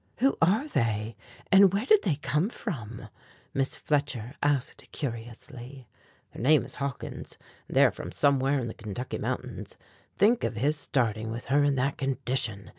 "Who are they, and where did they come from?" Miss Fletcher asked curiously. "Their name is Hawkins, and they are from somewhere in the Kentucky mountains. Think of his starting with her in that condition!